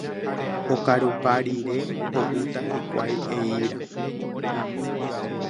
Okarupa rire ho'úta hikuái eíra.